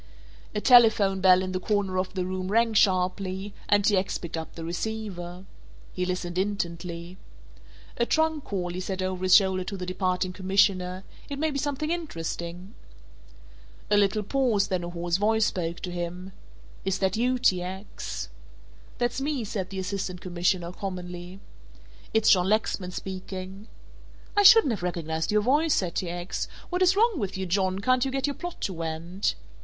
A telephone bell in the corner of the room rang sharply, and T. X. picked up the receiver. He listened intently. "A trunk call," he said over his shoulder to the departing commissioner, "it may be something interesting." A little pause; then a hoarse voice spoke to him. "Is that you, T. X.?" "That's me," said the Assistant Commissioner, commonly. "It's John Lexman speaking." "I shouldn't have recognized your voice," said T. X., "what is wrong with you, John, can't you get your plot to went?"